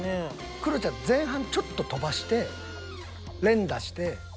クロちゃん前半ちょっと飛ばして連打して。